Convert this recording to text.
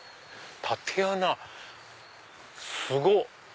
竪穴すごっ！